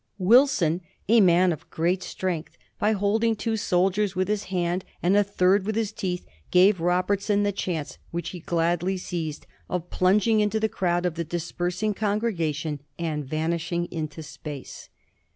Wilson, a man of great strength, by holding two soldiers with his hand, and a third with his teeth, gave Robertson the chance, which he gladly seized, of plunging into the crowd of the dispersing congregation, and vanishing into space.